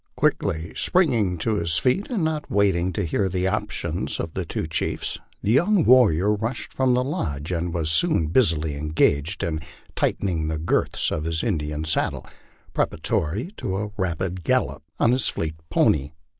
Quickly springing to his feet, and not waiting to hear the opinions of the two chiefs, the young warrior rushed from the lodge, and was soon busily engaged in tightening the girths of his Indian saddle, preparatory to a rapid gallop on his fleet pony.